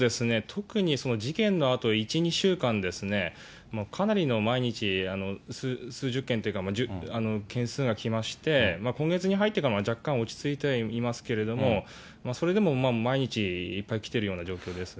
特に事件のあと１、２週間ですね、かなりの毎日、数十件というか、件数がきまして、今月に入ってからは、若干落ち着いてはいますけれども、それでも毎日いっぱいきてるような状況です。